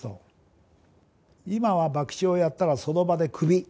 今は博打をやったらその場でクビ。